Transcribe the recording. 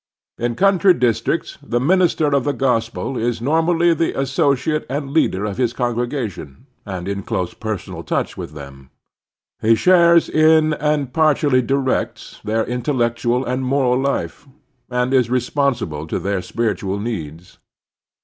In the cotmtry districts the minister of the gos pel is normally the associate and leader of his con gregation and in close personal touch with them. He shares in and partially directs their intellectual and moral life, and is responsive to their spiritual needs.